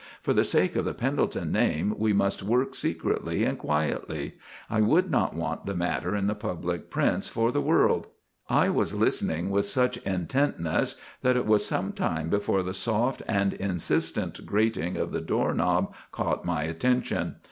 For the sake of the Pendelton name we must work secretly and quietly. I would not want the matter in the public prints for the world." I was listening with such intentness that it was some time before the soft and insistent grating of the doorknob caught my attention.